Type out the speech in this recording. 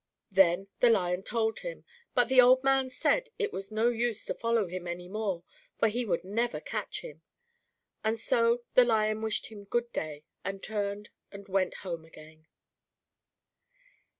Then the Lion told him, but the old man said it was no use to follow him any more, for he would never catch him, and so the Lion wished him good day, and turned and went home again.